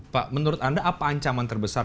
pak menurut anda apa ancaman terbesar